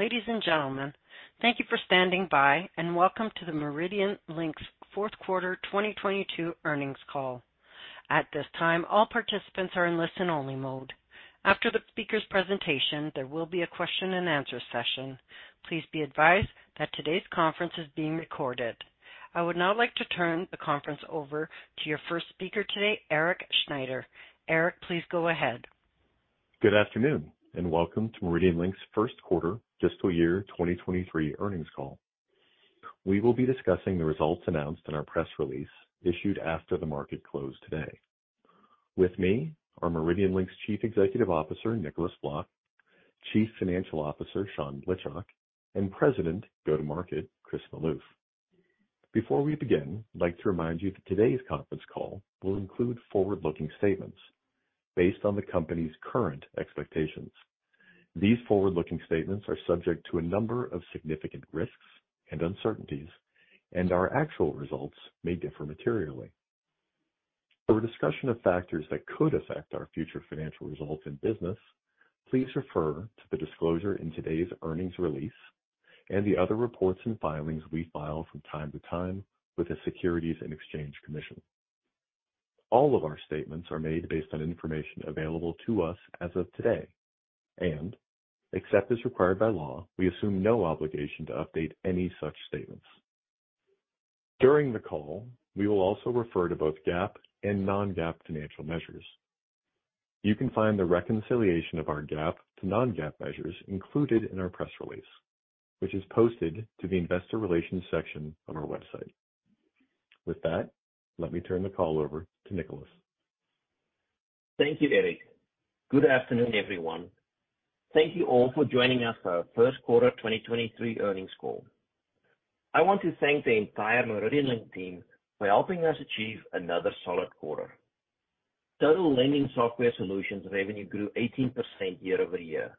Ladies and gentlemen, thank you for standing by, and welcome to the MeridianLink's fourth quarter 2022 Earnings call. At this time, all participants are in listen-only mode. After the speaker's presentation, there will be a question-and-answer session. Please be advised that today's conference is being recorded. I would now like to turn the conference over to your first speaker today, Erik Schneider. Erik, please go ahead. Good afternoon, and welcome to MeridianLink's first quarter fiscal year 2023 earnings call. We will be discussing the results announced in our press release issued after the market closed today. With me are MeridianLink's Chief Executive Officer, Nicolaas Vlok, Chief Financial Officer, Sean Blitchok, and President Go-To-Market, Chris Maloof. Before we begin, I'd like to remind you that today's conference call will include forward-looking statements based on the company's current expectations. These forward-looking statements are subject to a number of significant risks and uncertainties, and our actual results may differ materially. For a discussion of factors that could affect our future financial results in business, please refer to the disclosure in today's earnings release and the other reports and filings we file from time to time with the Securities and Exchange Commission. All of our statements are made based on information available to us as of today, and except as required by law, we assume no obligation to update any such statements. During the call, we will also refer to both GAAP and non-GAAP financial measures. You can find the reconciliation of our GAAP to non-GAAP measures included in our press release, which is posted to the investor relations section on our website. With that, let me turn the call over to Nicolaas. Thank you, Erik. Good afternoon, everyone. Thank you all for joining us for our first quarter 2023 earnings call. I want to thank the entire MeridianLink team for helping us achieve another solid quarter. Total lending software solutions revenue grew 18% year-over-year,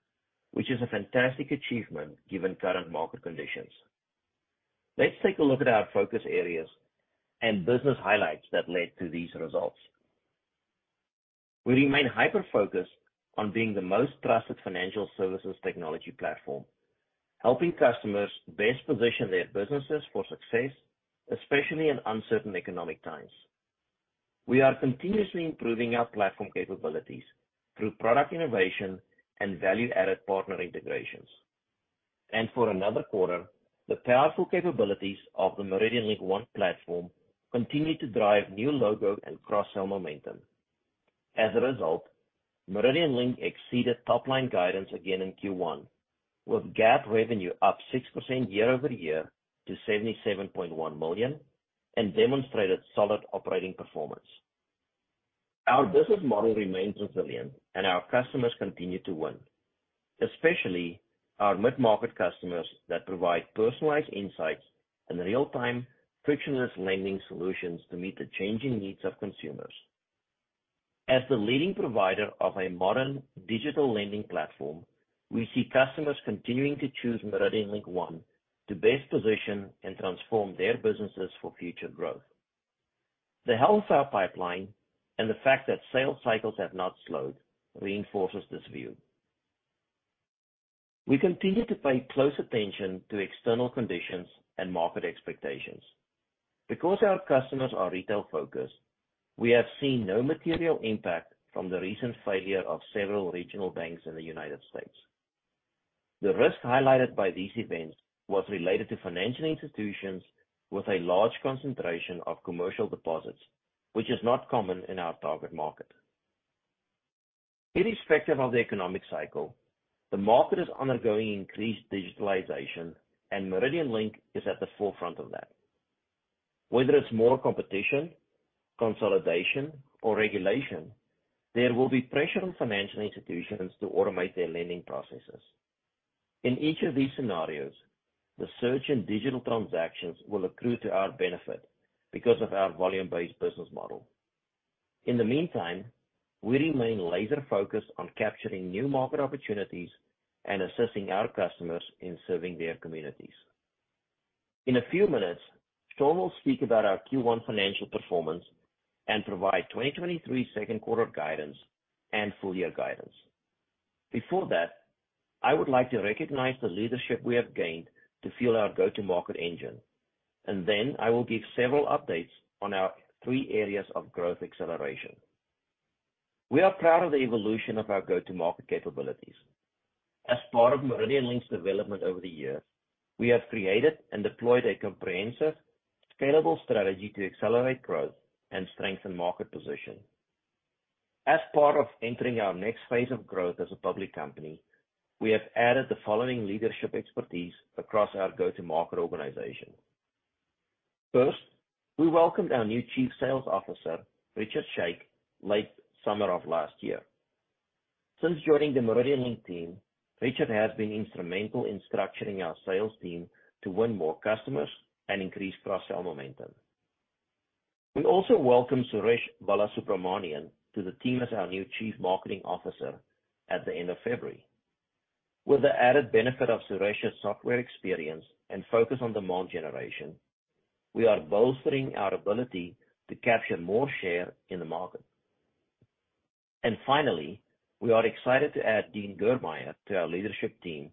which is a fantastic achievement given current market conditions. Let's take a look at our focus areas and business highlights that led to these results. We remain hyper-focused on being the most trusted financial services technology platform, helping customers best position their businesses for success, especially in uncertain economic times. We are continuously improving our platform capabilities through product innovation and value-added partner integrations. For another quarter, the powerful capabilities of the MeridianLink One platform continue to drive new logo and cross-sell momentum. As a result, MeridianLink exceeded top-line guidance again in Q1, with GAAP revenue up 6% year-over-year to $77.1 million and demonstrated solid operating performance. Our business model remains resilient and our customers continue to win, especially our mid-market customers that provide personalized insights and real-time frictionless lending solutions to meet the changing needs of consumers. As the leading provider of a modern digital lending platform, we see customers continuing to choose MeridianLink One to best position and transform their businesses for future growth. The health of our pipeline and the fact that sales cycles have not slowed reinforces this view. We continue to pay close attention to external conditions and market expectations. Because our customers are retail-focused, we have seen no material impact from the recent failure of several regional banks in the U.S. The risk highlighted by these events was related to financial institutions with a large concentration of commercial deposits, which is not common in our target market. Irrespective of the economic cycle, the market is undergoing increased digitalization and MeridianLink is at the forefront of that. Whether it's more competition, consolidation or regulation, there will be pressure on financial institutions to automate their lending processes. In each of these scenarios, the surge in digital transactions will accrue to our benefit because of our volume-based business model. In the meantime, we remain laser-focused on capturing new market opportunities and assisting our customers in serving their communities. In a few minutes, Sean will speak about our Q1 financial performance and provide 2023 second quarter guidance and full year guidance. Before that, I would like to recognize the leadership we have gained to fuel our go-to-market engine, and then I will give several updates on our three areas of growth acceleration. We are proud of the evolution of our go-to-market capabilities. As part of MeridianLink's development over the years, we have created and deployed a comprehensive, scalable strategy to accelerate growth and strengthen market position. As part of entering our next phase of growth as a public company, we have added the following leadership expertise across our go-to-market organization. First, we welcomed our new Chief Sales Officer, Richard Scheig, late summer of last year. Since joining the MeridianLink team, Richard has been instrumental in structuring our sales team to win more customers and increase cross-sell momentum. We also welcome Suresh Balasubramanian to the team as our new Chief Marketing Officer at the end of February. With the added benefit of Suresh's software experience and focus on demand generation, we are bolstering our ability to capture more share in the market. Finally, we are excited to add Dean Germeyer to our leadership team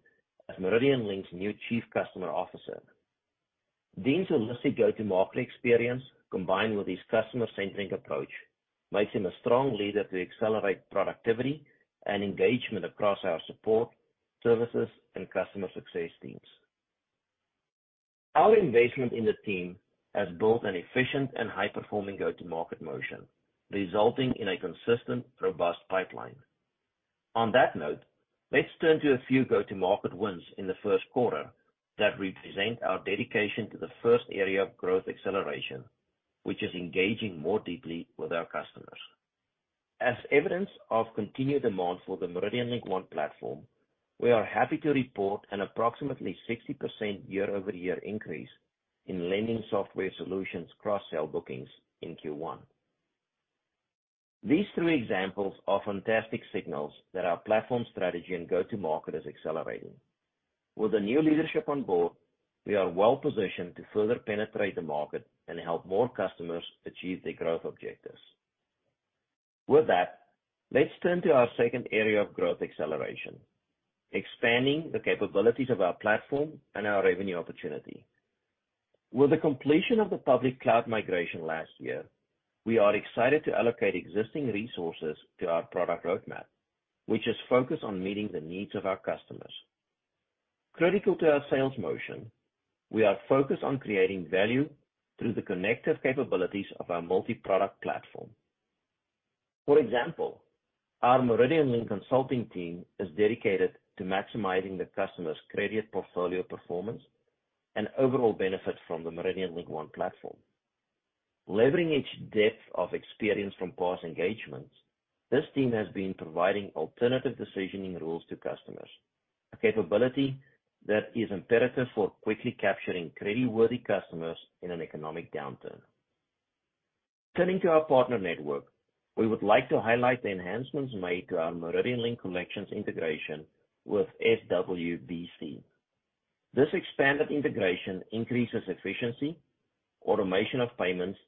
as MeridianLink's new Chief Customer Officer. Dean's holistic go-to-market experience, combined with his customer-centering approach, makes him a strong leader to accelerate productivity and engagement across our support, services, and customer success teams..Our investment in the team has built an efficient and high-performing go-to-market motion, resulting in a consistent, robust pipeline. On that note, let's turn to a few go-to-market wins in the first quarter that represent our dedication to the first area of growth acceleration, which is engaging more deeply with our customers. As evidence of continued demand for the MeridianLink One platform, we are happy to report an approximately 60% year-over-year increase in lending software solutions cross-sell bookings in Q1. These three examples are fantastic signals that our platform strategy and go-to-market is accelerating. With the new leadership on board, we are well-positioned to further penetrate the market and help more customers achieve their growth objectives. With that, let's turn to our second area of growth acceleration, expanding the capabilities of our platform and our revenue opportunity. With the completion of the public cloud migration last year, we are excited to allocate existing resources to our product roadmap, which is focused on meeting the needs of our customers. Critical to our sales motion, we are focused on creating value through the connective capabilities of our multi-product platform. For example, our MeridianLink consulting team is dedicated to maximizing the customer's credit portfolio performance and overall benefit from the MeridianLink One platform. Leveraging its depth of experience from past engagements, this team has been providing alternative decisioning rules to customers, a capability that is imperative for quickly capturing creditworthy customers in an economic downturn. Turning to our partner network, we would like to highlight the enhancements made to our MeridianLink Collections integration with SWBC. This expanded integration increases efficiency, automation of payments,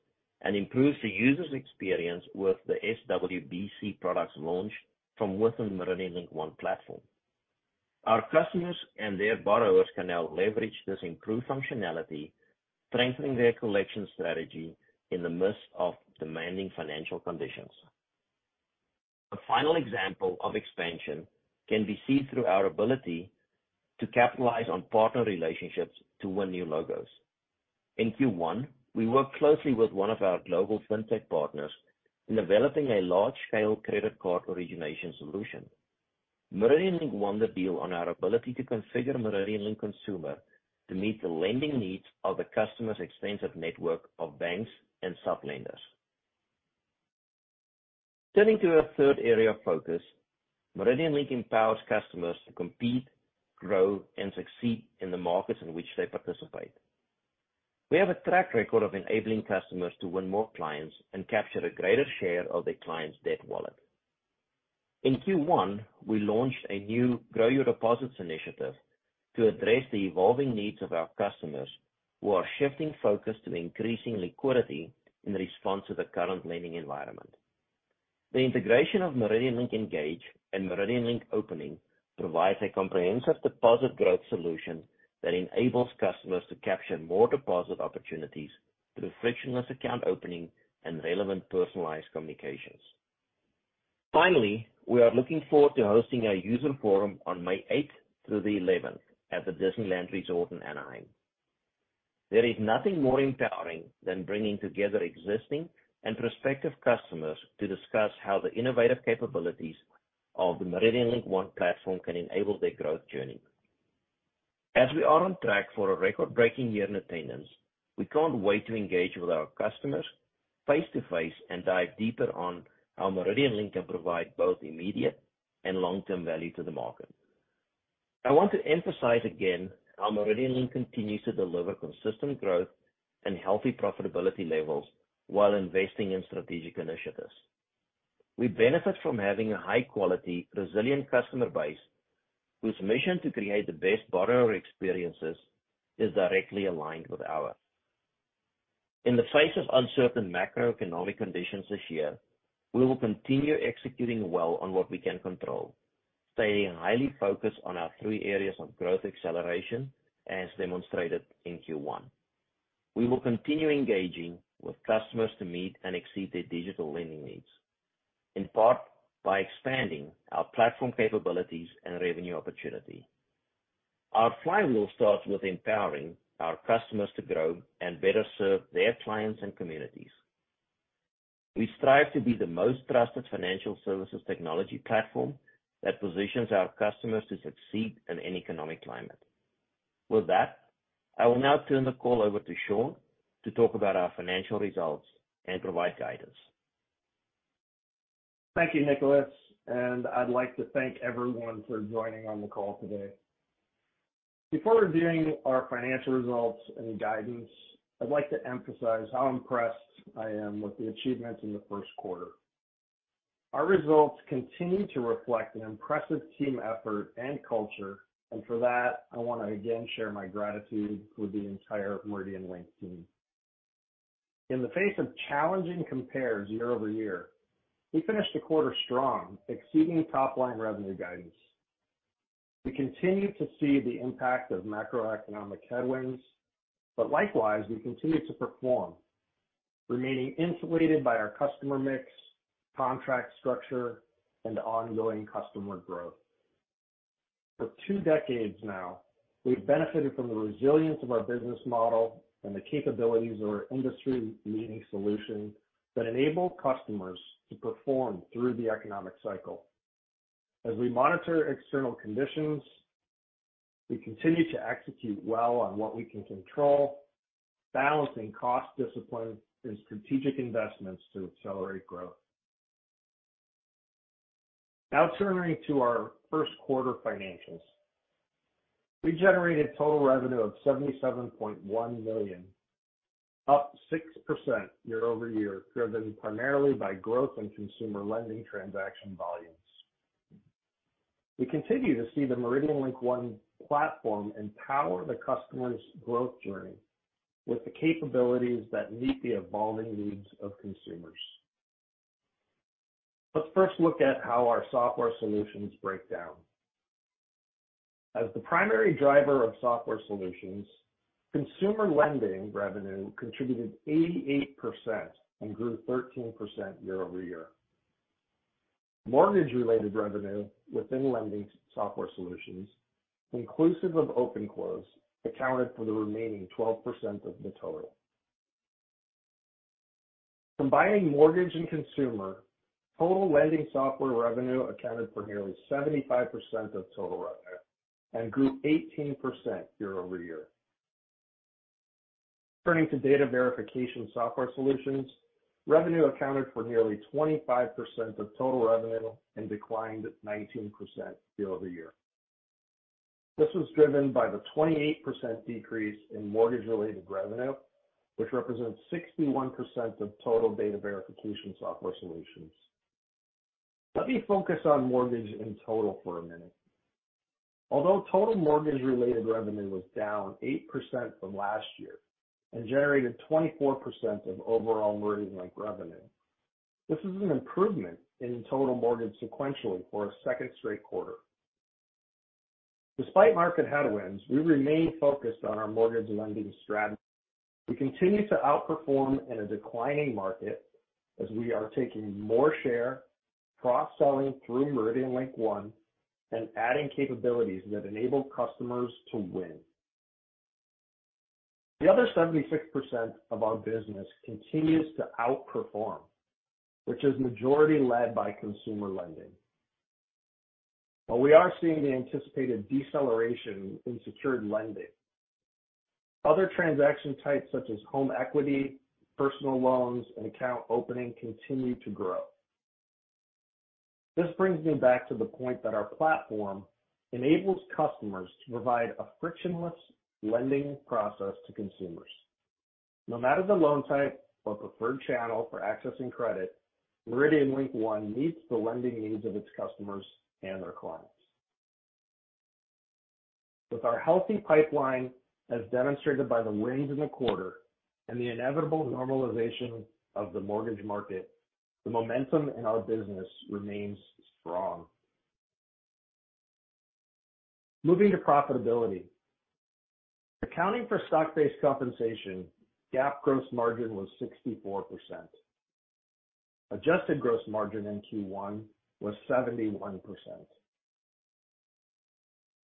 and improves the user's experience with the SWBC products launched from within MeridianLink One platform. Our customers and their borrowers can now leverage this improved functionality, strengthening their collection strategy in the midst of demanding financial conditions. A final example of expansion can be seen through our ability to capitalize on partner relationships to win new logos. In Q1, we worked closely with one of our global fintech partners in developing a large-scale credit card origination solution. MeridianLink won the deal on our ability to configure MeridianLink Consumer to meet the lending needs of the customer's extensive network of banks and sub-lenders. Turning to our third area of focus, MeridianLink empowers customers to compete, grow, and succeed in the markets in which they participate. We have a track record of enabling customers to win more clients and capture a greater share of their clients' debt wallet. In Q1, we launched a new Grow Your Deposits initiative to address the evolving needs of our customers who are shifting focus to increasing liquidity in response to the current lending environment. The integration of MeridianLink Engage and MeridianLink Opening provides a comprehensive deposit growth solution that enables customers to capture more deposit opportunities through frictionless account opening and relevant personalized communications. Finally, we are looking forward to hosting our user forum on May eighth through the eleventh at the Disneyland Resort in Anaheim. There is nothing more empowering than bringing together existing and prospective customers to discuss how the innovative capabilities of the MeridianLink One platform can enable their growth journey. As we are on track for a record-breaking year in attendance, we can't wait to engage with our customers face-to-face and dive deeper on how MeridianLink can provide both immediate and long-term value to the market. I want to emphasize again how MeridianLink continues to deliver consistent growth and healthy profitability levels while investing in strategic initiatives. We benefit from having a high-quality, resilient customer base whose mission to create the best borrower experiences is directly aligned with ours. In the face of uncertain macroeconomic conditions this year, we will continue executing well on what we can control, staying highly focused on our three areas of growth acceleration as demonstrated in Q1. We will continue engaging with customers to meet and exceed their digital lending needs, in part by expanding our platform capabilities and revenue opportunity. Our flywheel starts with empowering our customers to grow and better serve their clients and communities. We strive to be the most trusted financial services technology platform that positions our customers to succeed in any economic climate. I will now turn the call over to Sean to talk about our financial results and provide guidance. Thank you, Nicholas, and I'd like to thank everyone for joining on the call today. Before reviewing our financial results and guidance, I'd like to emphasize how impressed I am with the achievements in the first quarter. Our results continue to reflect an impressive team effort and culture, and for that, I want to again share my gratitude with the entire MeridianLink team. In the face of challenging compares year-over-year, we finished the quarter strong, exceeding top line revenue guidance. We continue to see the impact of macroeconomic headwinds, but likewise, we continue to perform, remaining insulated by our customer mix, contract structure, and ongoing customer growth. For two decades now, we've benefited from the resilience of our business model and the capabilities of our industry-leading solution that enable customers to perform through the economic cycle. As we monitor external conditions, we continue to execute well on what we can control, balancing cost discipline and strategic investments to accelerate growth. Turning to our first quarter financials. We generated total revenue of $77.1 million, up 6% year-over-year, driven primarily by growth in consumer lending transaction volumes. We continue to see the MeridianLink One platform empower the customer's growth journey with the capabilities that meet the evolving needs of consumers. Let's first look at how our software solutions break down. As the primary driver of software solutions, consumer lending revenue contributed 88% and grew 13% year-over-year. Mortgage-related revenue within lending software solutions, inclusive of open-close, accounted for the remaining 12% of the total. Combining mortgage and consumer, total lending software revenue accounted for nearly 75% of total revenue and grew 18% year-over-year. Turning to data verification software solutions, revenue accounted for nearly 25% of total revenue and declined 19% year-over-year. This was driven by the 28% decrease in mortgage-related revenue, which represents 61% of total data verification software solutions. Let me focus on mortgage in total for a minute. Although total mortgage-related revenue was down 8% from last year and generated 24% of overall MeridianLink revenue, this is an improvement in total mortgage sequentially for a second straight quarter. Despite market headwinds, we remain focused on our mortgage lending strategy. We continue to outperform in a declining market as we are taking more share, cross-selling through MeridianLink One, and adding capabilities that enable customers to win. The other 76% of our business continues to outperform, which is majority led by consumer lending. While we are seeing the anticipated deceleration in secured lending, other transaction types such as home equity, personal loans, and account opening continue to grow. This brings me back to the point that our platform enables customers to provide a frictionless lending process to consumers. No matter the loan type or preferred channel for accessing credit, MeridianLink One meets the lending needs of its customers and their clients. With our healthy pipeline, as demonstrated by the wins in the quarter and the inevitable normalization of the mortgage market, the momentum in our business remains strong. Moving to profitability. Accounting for stock-based compensation, GAAP gross margin was 64%. Adjusted gross margin in Q1 was 71%.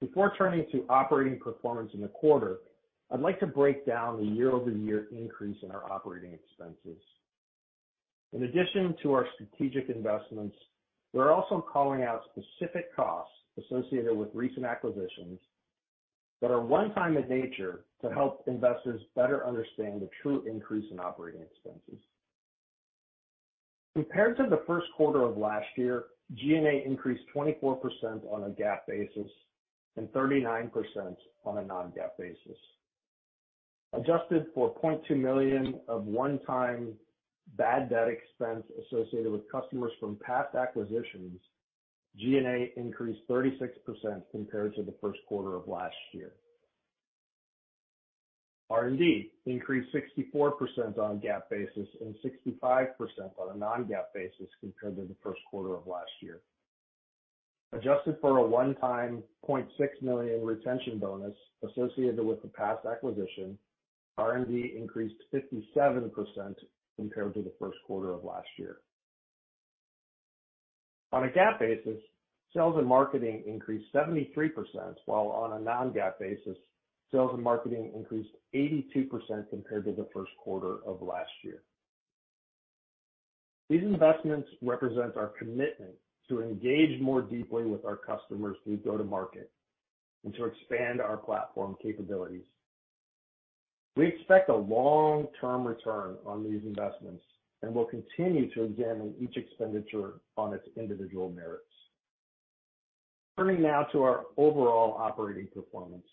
Before turning to operating performance in the quarter, I'd like to break down the year-over-year increase in our operating expenses. In addition to our strategic investments, we're also calling out specific costs associated with recent acquisitions that are one time in nature to help investors better understand the true increase in operating expenses. Compared to the first quarter of last year, G&A increased 24% on a GAAP basis and 39% on a non-GAAP basis. Adjusted for $0.2 million of one-time bad debt expense associated with customers from past acquisitions, G&A increased 36% compared to the first quarter of last year. R&D increased 64% on a GAAP basis and 65% on a non-GAAP basis compared to the first quarter of last year. Adjusted for a onetime $0.6 million retention bonus associated with the past acquisition, R&D increased 57% compared to the first quarter of last year. On a GAAP basis, sales and marketing increased 73%, while on a non-GAAP basis, sales and marketing increased 82% compared to the first quarter of last year. These investments represent our commitment to engage more deeply with our customers through go-to-market and to expand our platform capabilities. We expect a long-term return on these investments and will continue to examine each expenditure on its individual merits. Turning now to our overall operating performance.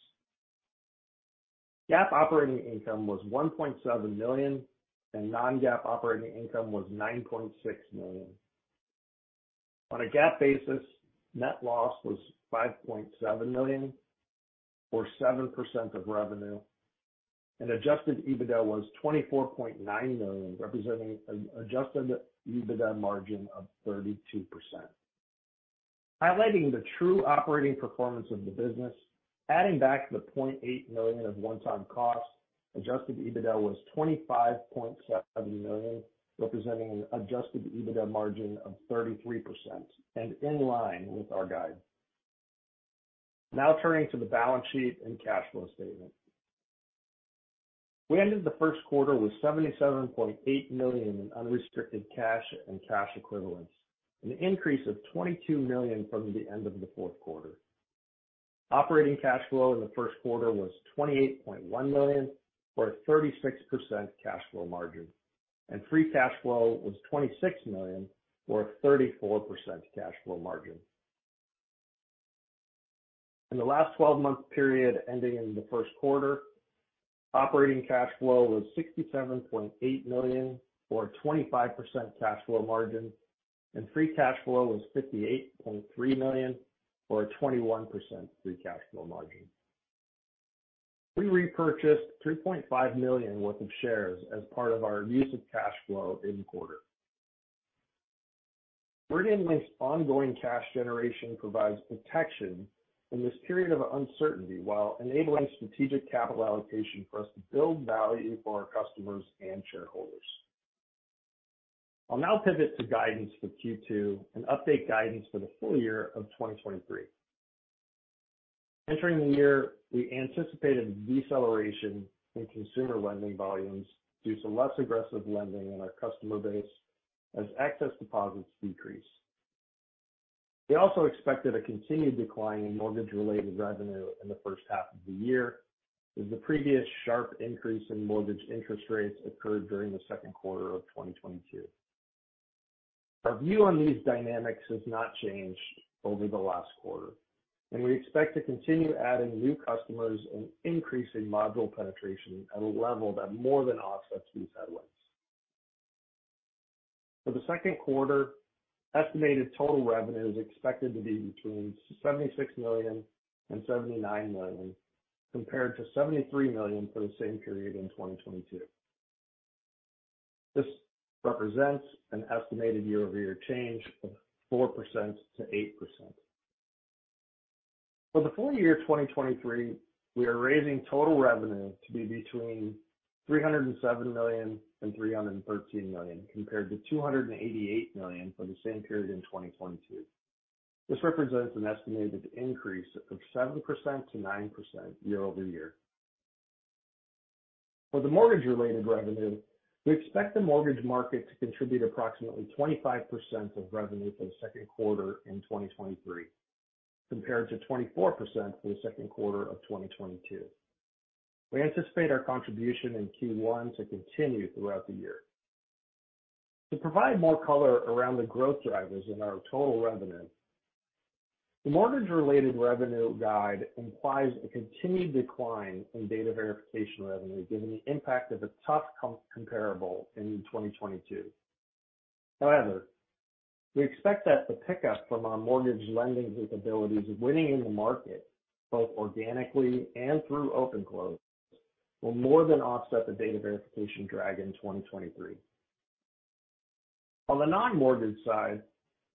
GAAP operating income was $1.7 million, and non-GAAP operating income was $9.6 million. On a GAAP basis, net loss was $5.7 million or 7% of revenue, and adjusted EBITDA was $24.9 million, representing an adjusted EBITDA margin of 32%. Highlighting the true operating performance of the business, adding back the $0.8 million of one-time costs, adjusted EBITDA was $25.7 million, representing an adjusted EBITDA margin of 33% and in line with our guide. Turning to the balance sheet and cash flow statement. We ended the first quarter with $77.8 million in unrestricted cash and cash equivalents, an increase of $22 million from the end of the fourth quarter. Operating cash flow in the first quarter was $28.1 million, or a 36% cash flow margin, and free cash flow was $26 million or a 34% cash flow margin. In the last 12-month period ending in the first quarter, operating cash flow was $67.8 million or a 25% cash flow margin, and free cash flow was $58.3 million or a 21% free cash flow margin. We repurchased $3.5 million worth of shares as part of our use of cash flow in the quarter. MeridianLink's ongoing cash generation provides protection in this period of uncertainty while enabling strategic capital allocation for us to build value for our customers and shareholders. I'll now pivot to guidance for Q2 and update guidance for the full year of 2023. Entering the year, we anticipated deceleration in consumer lending volumes due to less aggressive lending in our customer base as excess deposits decrease. We also expected a continued decline in mortgage-related revenue in the first half of the year, as the previous sharp increase in mortgage interest rates occurred during the second quarter of 2022. Our view on these dynamics has not changed over the last quarter. We expect to continue adding new customers and increasing module penetration at a level that more than offsets these headwinds. For the second quarter, estimated total revenue is expected to be between $76 million and $79 million, compared to $73 million for the same period in 2022. This represents an estimated year-over-year change of 4%-8%. For the full year 2023, we are raising total revenue to be between $307 million and $313 million, compared to $288 million for the same period in 2022. This represents an estimated increase of 7%-9% year-over-year. For the mortgage-related revenue, we expect the mortgage market to contribute approximately 25% of revenue for the second quarter in 2023, compared to 24% for the second quarter of 2022. We anticipate our contribution in Q1 to continue throughout the year. To provide more color around the growth drivers in our total revenue, the mortgage-related revenue guide implies a continued decline in data verification revenue given the impact of a tough comparable in 2022. However, we expect that the pickup from our mortgage lending capabilities winning in the market, both organically and through open-close, will more than offset the data verification drag in 2023. On the non-mortgage side,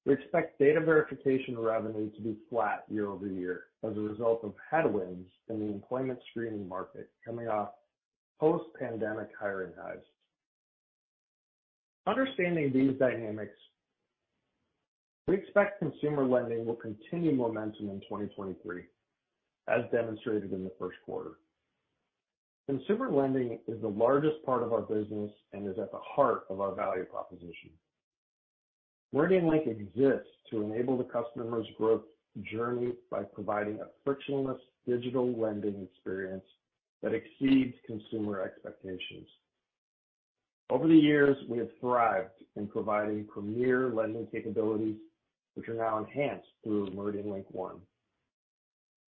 we expect data verification revenue to be flat year-over-year as a result of headwinds in the employment screening market coming off post-pandemic hiring highs. Understanding these dynamics, we expect consumer lending will continue momentum in 2023, as demonstrated in the first quarter. Consumer lending is the largest part of our business and is at the heart of our value proposition. MeridianLink exists to enable the customer's growth journey by providing a frictionless digital lending experience that exceeds consumer expectations. Over the years, we have thrived in providing premier lending capabilities, which are now enhanced through MeridianLink One.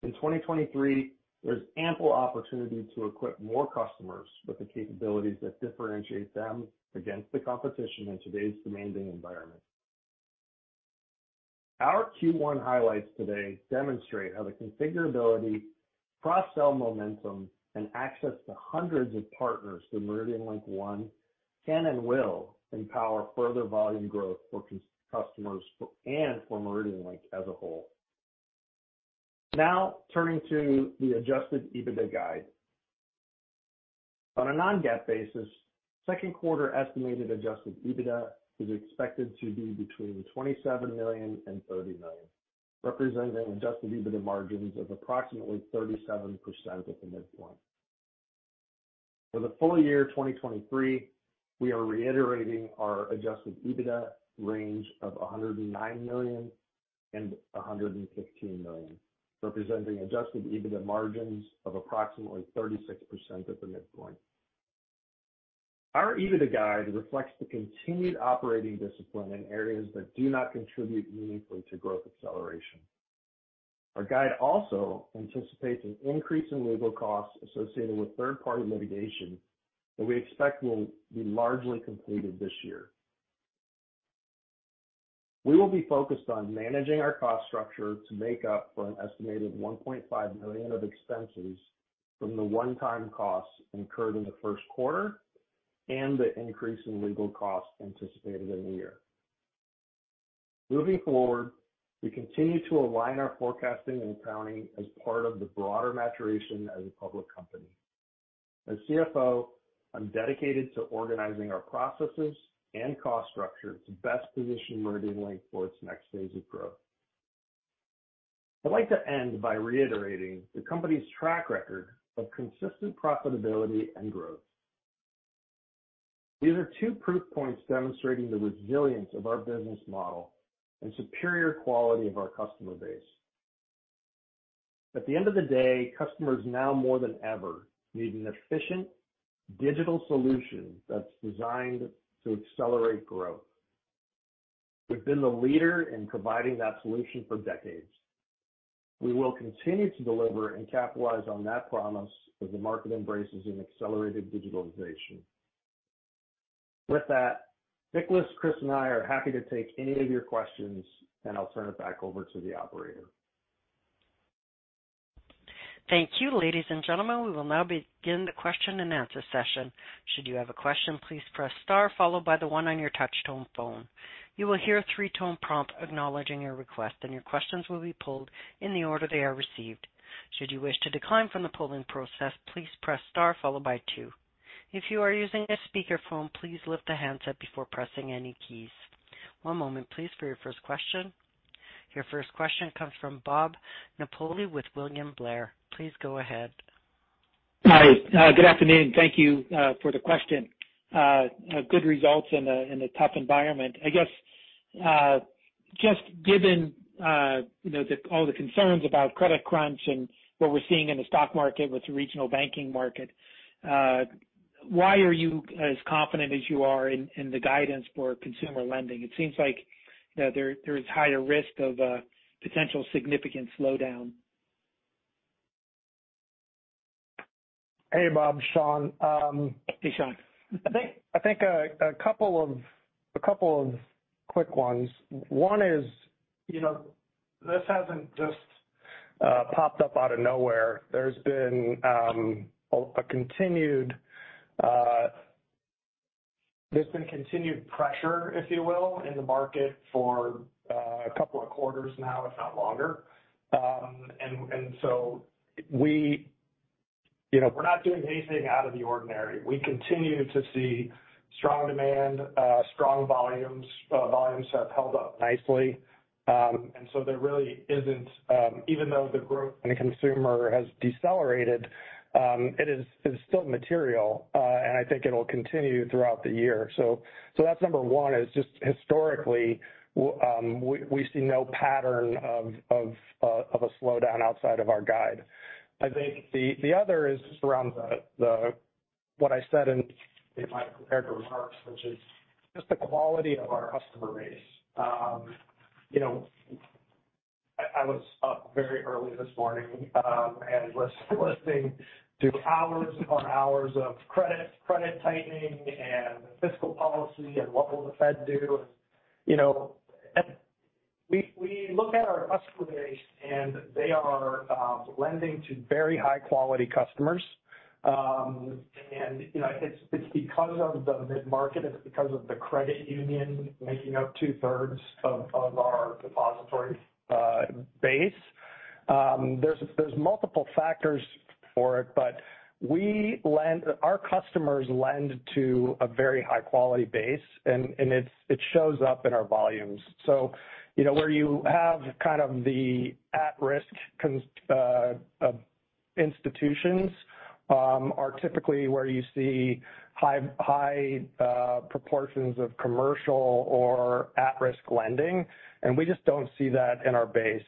In 2023, there's ample opportunity to equip more customers with the capabilities that differentiate them against the competition in today's demanding environment. Our Q1 highlights today demonstrate how the configurability, cross-sell momentum, and access to hundreds of partners through MeridianLink One can and will empower further volume growth for customers and for MeridianLink as a whole. Turning to the adjusted EBITDA guide. On a non-GAAP basis, second quarter estimated adjusted EBITDA is expected to be between $27 million and $30 million, representing adjusted EBITDA margins of approximately 37% at the midpoint. For the full year 2023, we are reiterating our adjusted EBITDA range of $109 million and $115 million, representing adjusted EBITDA margins of approximately 36% at the midpoint. Our EBITDA guide reflects the continued operating discipline in areas that do not contribute meaningfully to growth acceleration. Our guide also anticipates an increase in legal costs associated with third-party litigation that we expect will be largely completed this year. We will be focused on managing our cost structure to make up for an estimated $1.5 million of expenses from the one-time costs incurred in the first quarter and the increase in legal costs anticipated in the year. Moving forward, we continue to align our forecasting and accounting as part of the broader maturation as a public company. As CFO, I'm dedicated to organizing our processes and cost structure to best position MeridianLink for its next phase of growth. I'd like to end by reiterating the company's track record of consistent profitability and growth. These are two proof points demonstrating the resilience of our business model and superior quality of our customer base. At the end of the day, customers now more than ever need an efficient digital solution that's designed to accelerate growth. We've been the leader in providing that solution for decades. We will continue to deliver and capitalize on that promise as the market embraces an accelerated digitalization. With that, Nicholas, Chris, and I are happy to take any of your questions, and I'll turn it back over to the operator. Thank you. Ladies and gentlemen, we will now begin the question-and-answer session. Should you have a question, please press star followed by the one on your touch-tone phone. You will hear a three tone prompt acknowledging your request, and your questions will be pulled in the order they are received. Should you wish to decline from the polling process, please Press Star followed by two. If you are using a speakerphone, please lift the handset before pressing any keys. One moment please, for your first question. Your first question comes from Bob Napoli with William Blair. Please go ahead. Hi. Good afternoon. Thank you for the question. Good results in a tough environment. I guess, just given, you know, the all the concerns about credit crunch and what we're seeing in the stock market with the regional banking market, why are you as confident as you are in the guidance for consumer lending? It seems like, you know, there is higher risk of potential significant slowdown. Hey, Bob. Sean, Hey, Sean. I think a couple of quick ones. One is, you know, this hasn't just popped up out of nowhere. There's been continued pressure, if you will, in the market for a couple of quarters now, if not longer. We, you know, we're not doing anything out of the ordinary. We continue to see strong demand, strong volumes. Volumes have held up nicely. There really isn't even though the growth in the consumer has decelerated, it is, it's still material, and I think it'll continue throughout the year. That's number one is just historically, we see no pattern of a slowdown outside of our guide. I think the other is just around what I said in my prepared remarks, which is just the quality of our customer base. You know, I was up very early this morning and was listening to hours upon hours of credit tightening and fiscal policy and what will the Fed do. You know, we look at our customer base, and they are lending to very high-quality customers. You know, it's because of the mid-market, it's because of the credit union making up 2/3 of our depository base. There's multiple factors for it, but our customers lend to a very high-quality base, and it shows up in our volumes. You know, where you have kind of the at-risk institutions are typically where you see high, high proportions of commercial or at-risk lending. We just don't see that in our base.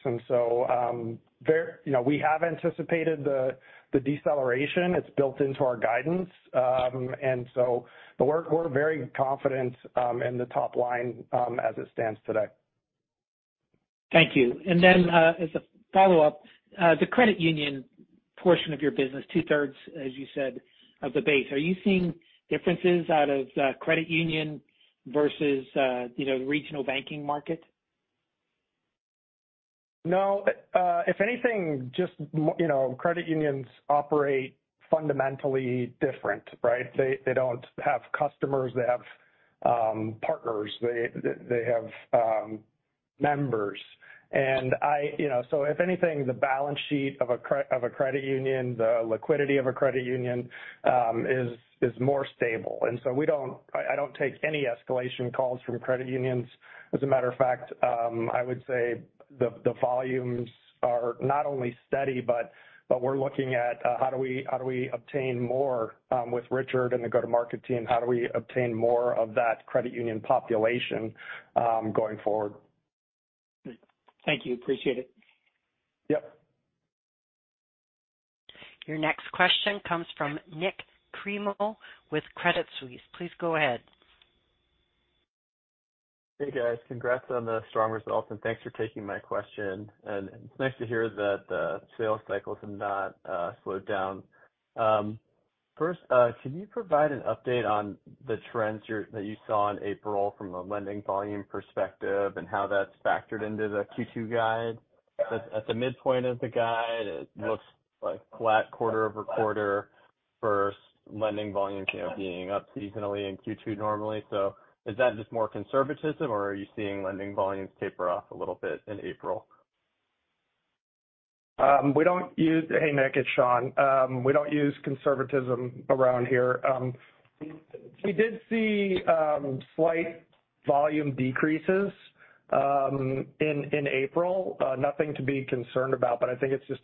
There, you know, we have anticipated the deceleration. It's built into our guidance. But we're very confident in the top line as it stands today. Thank you. As a follow-up, the credit union portion of your business, two-thirds, as you said, of the base, are you seeing differences out of credit union versus, you know, regional banking market? No. If anything, just, you know, credit unions operate fundamentally different, right? They don't have customers. They have partners. They have members. I, you know, if anything, the balance sheet of a credit union, the liquidity of a credit union, is more stable. I don't take any escalation calls from credit unions. As a matter of fact, I would say the volumes are not only steady, but we're looking at how do we obtain more with Richard and the go-to-market team, how do we obtain more of that credit union population going forward? Thank you. Appreciate it. Yep. Your next question comes from Nick Cremo with Crédit Suisse. Please go ahead. Hey, guys. Congrats on the strong results. Thanks for taking my question. It's nice to hear that the sales cycles have not slowed down. First, can you provide an update on the trends that you saw in April from a lending volume perspective and how that's factored into the Q2 guide? At the midpoint of the guide, it looks like flat quarter-over-quarter for lending volume being up seasonally in Q2 normally. Is that just more conservatism, or are you seeing lending volumes taper off a little bit in April? Hey, Nick, it's Sean. We don't use conservatism around here. We did see slight volume decreases in April. Nothing to be concerned about, but I think it's just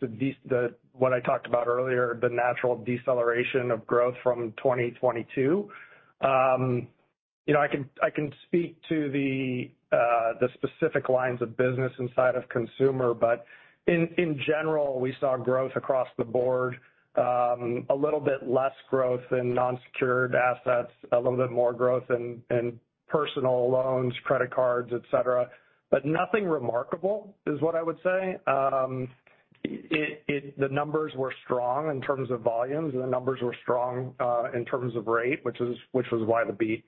what I talked about earlier, the natural deceleration of growth from 2022. You know, I can speak to the specific lines of business inside of consumer, but in general, we saw growth across the board, a little bit less growth in non-secured assets, a little bit more growth in personal loans, credit cards, et cetera. Nothing remarkable is what I would say. The numbers were strong in terms of volumes. The numbers were strong in terms of rate, which is, which was why the beat.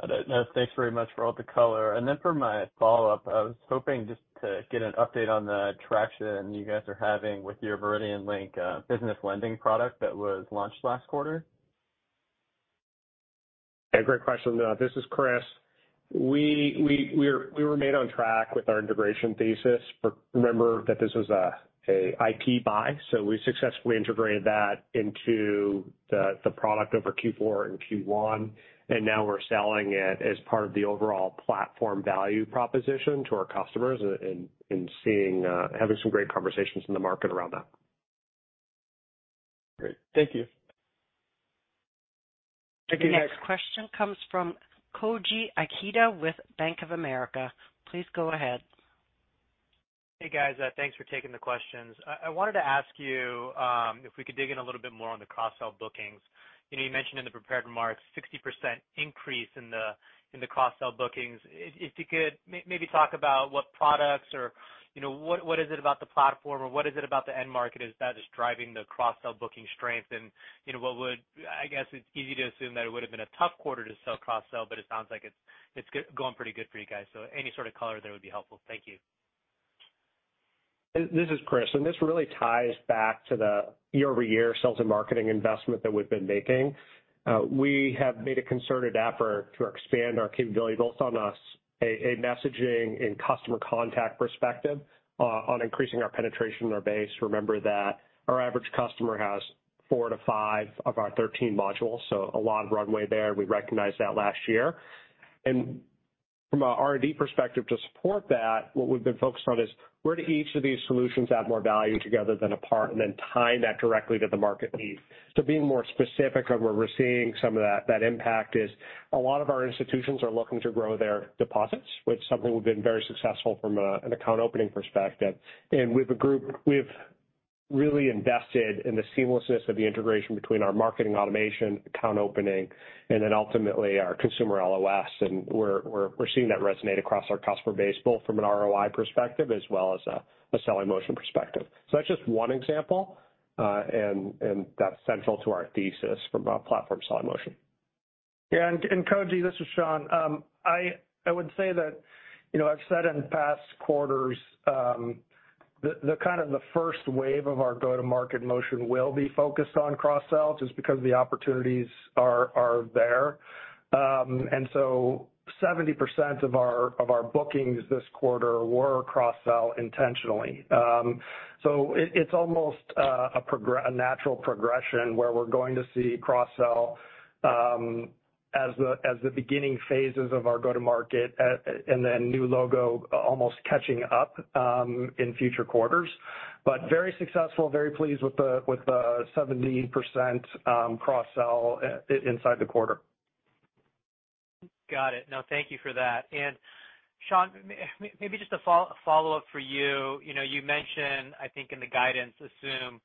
Got it. No, thanks very much for all the color. For my follow-up, I was hoping just to get an update on the traction you guys are having with your MeridianLink Business business lending product that was launched last quarter. Yeah, great question. This is Chris. We remain on track with our integration thesis. Remember that this was an IP buy. We successfully integrated that into the product over Q4 and Q1. Now we're selling it as part of the overall platform value proposition to our customers and having some great conversations in the market around that. Great. Thank you. The next question comes from Koji Ikeda with Bank of America. Please go ahead. Hey, guys, thanks for taking the questions. I wanted to ask you, if we could dig in a little bit more on the cross-sell bookings. You know, you mentioned in the prepared remarks 60% increase in the, in the cross-sell bookings. If you could maybe talk about what products or, you know, what is it about the platform or what is it about the end market is that is driving the cross-sell booking strength and, you know, what would... I guess it's easy to assume that it would have been a tough quarter to sell cross-sell, but it sounds like it's going pretty good for you guys. Any sort of color there would be helpful. Thank you. This is Chris, and this really ties back to the year-over-year sales and marketing investment that we've been making. We have made a concerted effort to expand our capability, both on a messaging and customer contact perspective, on increasing our penetration in our base. Remember that our average customer has 4-5 of our 13 modules, so a lot of runway there. We recognized that last year. From a R&D perspective to support that, what we've been focused on is where do each of these solutions add more value together than apart, and then tying that directly to the market need. Being more specific on where we're seeing some of that impact is a lot of our institutions are looking to grow their deposits, which is something we've been very successful from, an account opening perspective. With the group, we've really invested in the seamlessness of the integration between our marketing automation, account opening, and then ultimately our consumer LOS. We're seeing that resonate across our customer base, both from an ROI perspective as well as a selling motion perspective. That's just one example. That's central to our thesis from a platform selling motion. Koji, this is Sean. I would say that, you know, I've said in past quarters, the kind of the first wave of our go-to-market motion will be focused on cross-sell just because the opportunities are there. 70% of our bookings this quarter were cross-sell intentionally. It's almost a natural progression where we're going to see cross-sell as the beginning phases of our go-to-market, new logo almost catching up in future quarters. Very successful, very pleased with the 70% cross-sell inside the quarter. Got it. No, thank you for that. Sean, maybe just a follow-up for you. You know, you mentioned, I think in the guidance, assume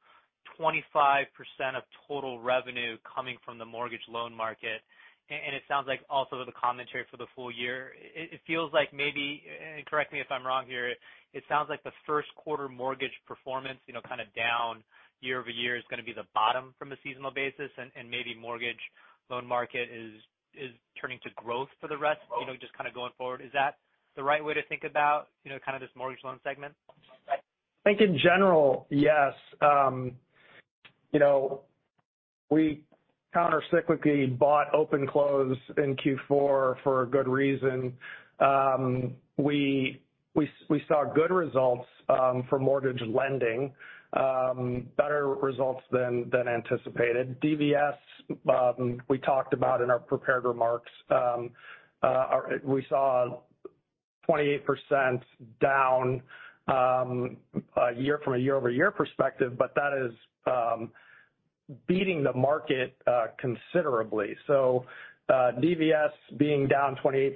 25% of total revenue coming from the mortgage loan market. It sounds like also the commentary for the full year. It feels like maybe, and correct me if I'm wrong here, it sounds like the first quarter mortgage performance, you know, kind of down year-over-year is gonna be the bottom from a seasonal basis, and maybe mortgage loan market is turning to growth for the rest, you know, just kind of going forward. Is that the right way to think about, you know, kind of this mortgage loan segment? I think in general, yes. You know, we countercyclically bought Open Close in Q4 for a good reason. We saw good results for mortgage lending, better results than anticipated. DVS, we talked about in our prepared remarks. We saw 28% down from a year-over-year perspective, but that is. Beating the market considerably. DVS being down 28%,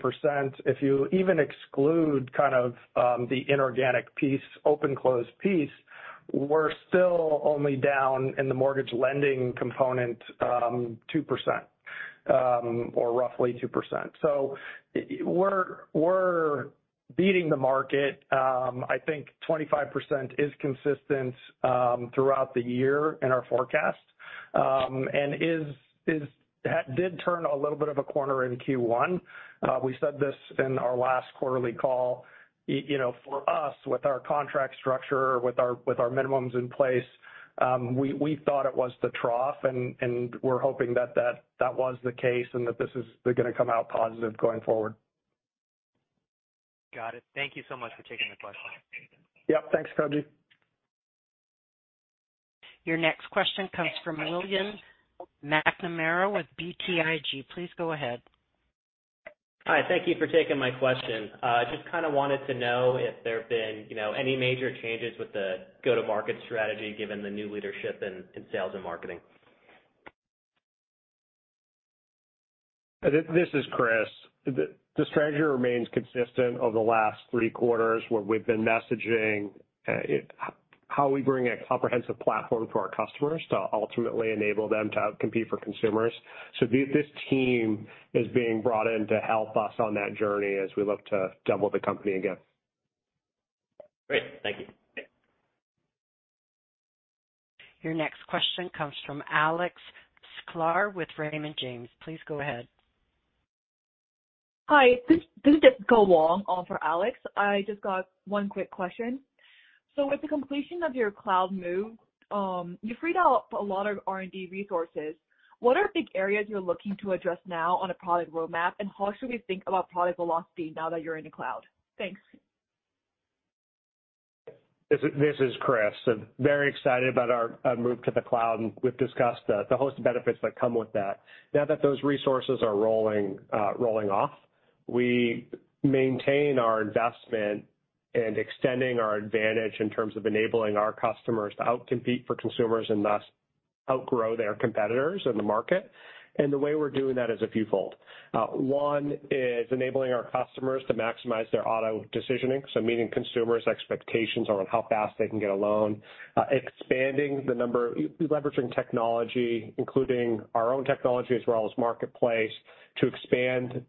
if you even exclude kind of the inorganic piece, open closed piece, we're still only down in the mortgage lending component 2%, or roughly 2%. We're beating the market. I think 25% is consistent throughout the year in our forecast, and That did turn a little bit of a corner in Q1. We said this in our last quarterly call, you know, for us, with our contract structure, with our minimums in place, we thought it was the trough, and we're hoping that was the case and that this is gonna come out positive going forward. Got it. Thank you so much for taking the question. Yep. Thanks, Koji. Your next question comes from William McNamara with BTIG. Please go ahead. Hi. Thank you for taking my question. Just kind of wanted to know if there have been, you know, any major changes with the go-to-market strategy, given the new leadership in sales and marketing. This is Chris. The strategy remains consistent over the last three quarters, where we've been messaging, how we bring a comprehensive platform to our customers to ultimately enable them to out-compete for consumers. This team is being brought in to help us on that journey as we look to double the company again. Great. Thank you. Your next question comes from Alex Sklar with Raymond James. Please go ahead. Hi, this is Jessica Wang for Alex. I just got one quick question. With the completion of your cloud move, you freed up a lot of R&D resources. What are big areas you're looking to address now on a product roadmap? How should we think about product velocity now that you're in the cloud? Thanks. This is Chris. Very excited about our move to the cloud, and we've discussed the host of benefits that come with that. Now that those resources are rolling off, we maintain our investment and extending our advantage in terms of enabling our customers to out-compete for consumers and thus outgrow their competitors in the market. The way we're doing that is a fewfold. One is enabling our customers to maximize their auto decisioning, so meeting consumers' expectations around how fast they can get a loan. Expanding the number leveraging technology, including our own technology as well as marketplace, to expand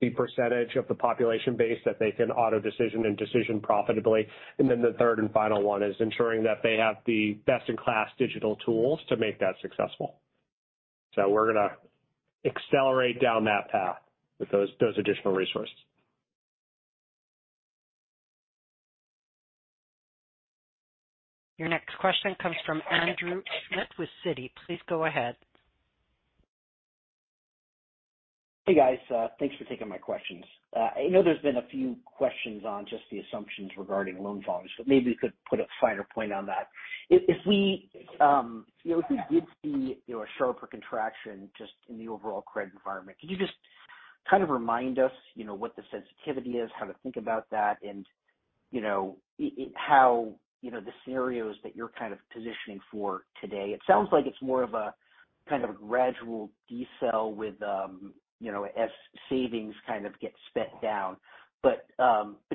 the percentage of the population base that they can auto decision and decision profitably. The third and final one is ensuring that they have the best-in-class digital tools to make that successful. We're going to accelerate down that path with those additional resources. Your next question comes from Andrew Schmitt with Citi. Please go ahead. Hey, guys. Thanks for taking my questions. I know there's been a few questions on just the assumptions regarding loan volumes. Maybe you could put a finer point on that. If, if we, you know, if we did see, you know, a sharper contraction just in the overall credit environment, could you just kind of remind us, you know, what the sensitivity is, how to think about that and, you know, how, you know, the scenarios that you're kind of positioning for today? It sounds like it's more of a kind of a gradual decel with, you know, as savings kind of get spent down.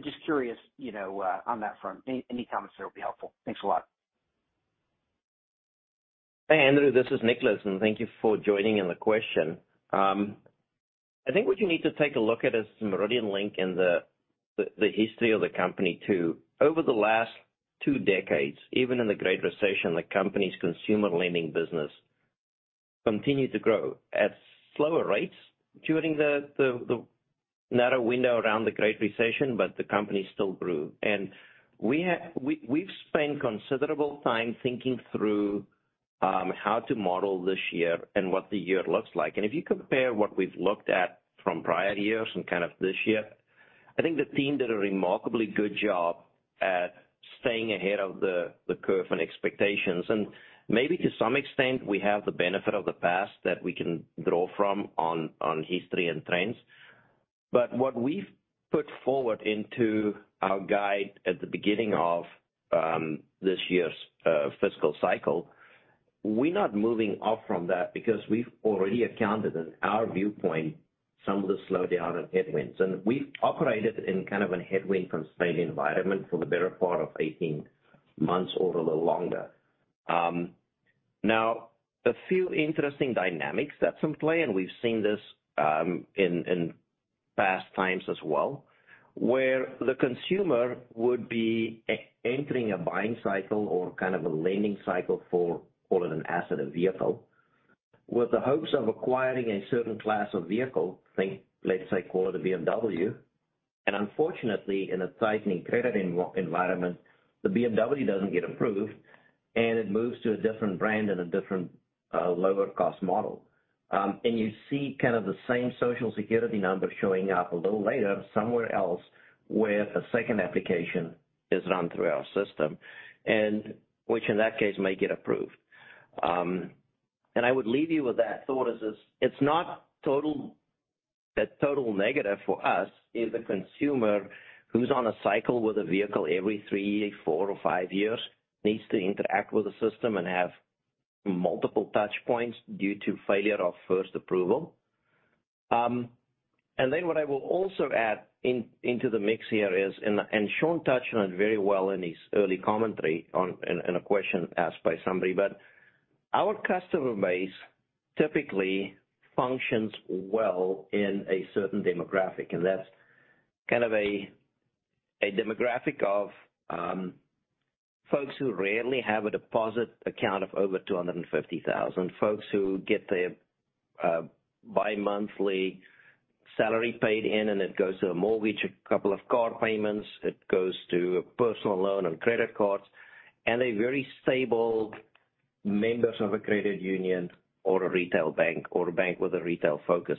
Just curious, you know, on that front. Any, any comments there will be helpful. Thanks a lot. Hey, Andrew, this is Nicolaas. Thank you for joining in the question. I think what you need to take a look at is the MeridianLink and the history of the company too. Over the last two decades, even in the Great Recession, the company's consumer lending business continued to grow at slower rates during the narrow window around the Great Recession. The company still grew. We've spent considerable time thinking through how to model this year and what the year looks like. If you compare what we've looked at from prior years and kind of this year, I think the team did a remarkably good job at staying ahead of the curve and expectations. Maybe to some extent, we have the benefit of the past that we can draw from on history and trends. What we've put forward into our guide at the beginning of this year's fiscal cycle, we're not moving off from that because we've already accounted in our viewpoint some of the slowdown and headwinds. We've operated in kind of a headwind-constrained environment for the better part of 18 months or a little longer. Now, a few interesting dynamics that's in play, and we've seen this in past times as well, where the consumer would be entering a buying cycle or kind of a lending cycle for, call it an asset, a vehicle, with the hopes of acquiring a certain class of vehicle, think, let's say, call it a BMW. Unfortunately, in a tightening credit environment, the BMW doesn't get approved, and it moves to a different brand and a different lower-cost model. You see kind of the same Social Security number showing up a little later somewhere else, where a second application is run through our system, and which in that case may get approved. I would leave you with that thought as this, it's not That total negative for us is a consumer who's on a cycle with a vehicle every three, four or three years needs to interact with the system and have multiple touch points due to failure of first approval. What I will also add into the mix here is and Sean touched on it very well in his early commentary on in a question asked by somebody. Our customer base typically functions well in a certain demographic, and that's kind of a demographic of folks who rarely have a deposit account of over $250,000. Folks who get their bi-monthly salary paid in, and it goes to a mortgage, a couple of car payments, it goes to a personal loan and credit cards, and a very stable members of a credit union or a retail bank or a bank with a retail focus.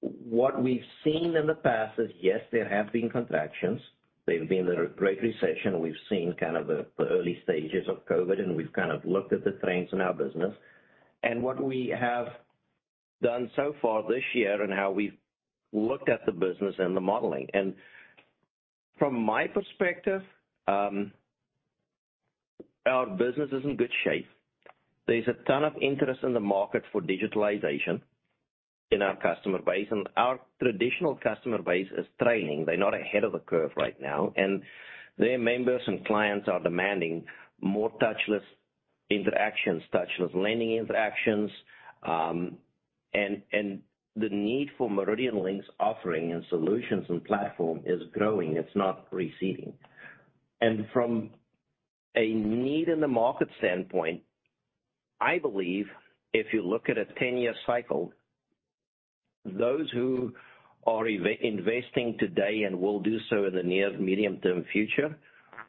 What we've seen in the past is, yes, there have been contractions. There's been the Great Recession. We've seen kind of the early stages of COVID, and we've kind of looked at the trends in our business. What we have done so far this year and how we've looked at the business and the modeling. From my perspective, our business is in good shape. There's a ton of interest in the market for digitalization in our customer base. Our traditional customer base is trailing. They're not ahead of the curve right now. Their members and clients are demanding more touchless interactions, touchless lending interactions. The need for MeridianLink's offering and solutions and platform is growing, it's not receding. From a need in the market standpoint, I believe if you look at a 10-year cycle, those who are investing today and will do so in the near medium-term future,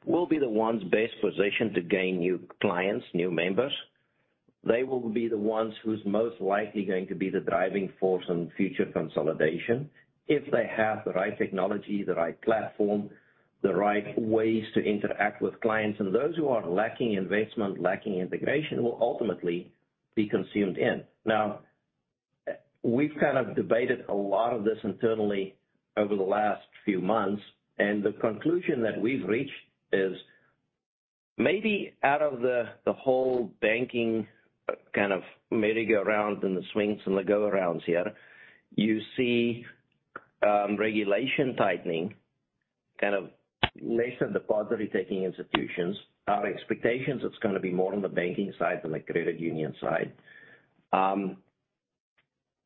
will be the ones best positioned to gain new clients, new members. They will be the ones who's most likely going to be the driving force in future consolidation if they have the right technology, the right platform, the right ways to interact with clients. Those who are lacking investment, lacking integration, will ultimately be consumed in. We've kind of debated a lot of this internally over the last few months, and the conclusion that we've reached is maybe out of the whole banking kind of merry-go-round and the swings and the go-arounds here, you see, regulation tightening, kind of lesser depository-taking institutions. Our expectations, it's gonna be more on the banking side than the credit union side.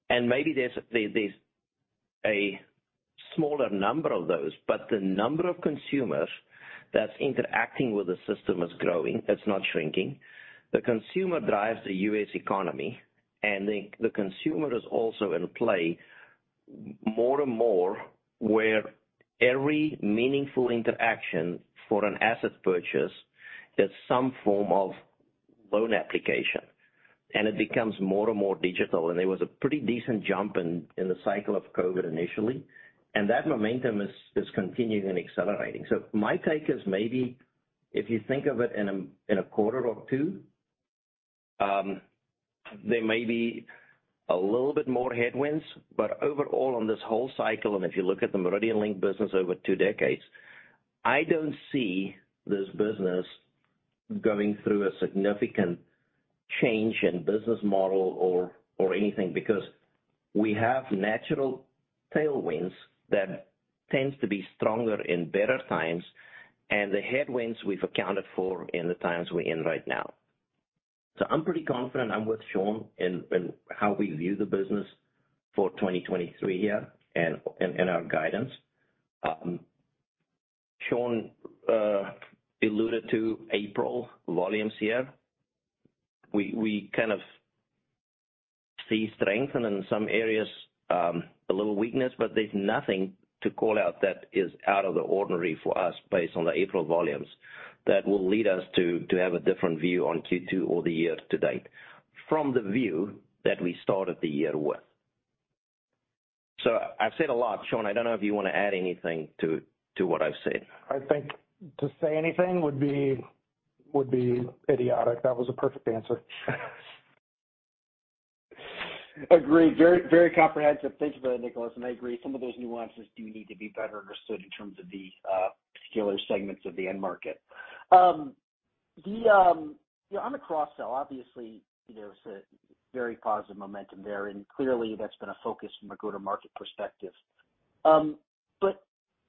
Maybe there's a smaller number of those. The number of consumers that's interacting with the system is growing, it's not shrinking. The consumer drives the U.S. economy, and the consumer is also in play more and more, where every meaningful interaction for an asset purchase is some form of loan application, and it becomes more and more digital. There was a pretty decent jump in the cycle of COVID initially, and that momentum is continuing and accelerating. My take is maybe if you think of it in a quarter or two, there may be a little bit more headwinds. Overall, on this whole cycle, and if you look at the MeridianLink business over two decades, I don't see this business going through a significant change in business model or anything, because we have natural tailwinds that tends to be stronger in better times and the headwinds we've accounted for in the times we're in right now. I'm pretty confident I'm with Sean in how we view the business for 2023 here and our guidance. Sean alluded to April volumes here. We kind of see strength and in some areas, a little weakness, but there's nothing to call out that is out of the ordinary for us based on the April volumes that will lead us to have a different view on Q2 or the year to date from the view that we started the year with. I've said a lot. Sean, I don't know if you wanna add anything to what I've said. I think to say anything would be, would be idiotic. That was a perfect answer. Agreed. Very, very comprehensive. Thanks for that, Nicolaas. I agree, some of those nuances do need to be better understood in terms of the particular segments of the end market. The, yeah, on the cross-sell, obviously, you know, there's a very positive momentum there. Clearly that's been a focus from a go-to-market perspective.